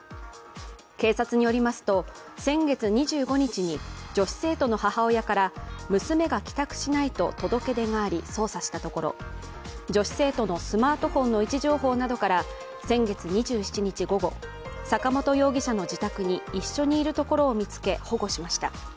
警察によりますと、先月２５日に女子生徒の母親から娘が帰宅しないと届け出があり、捜査したところ女子生徒のスマートフォンの位置情報などから先月２７日午後坂本容疑者の自宅に一緒にいるところを見つけ、保護しました。